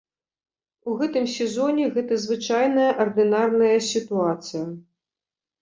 У гэтым сезоне гэта звычайная ардынарная сітуацыя.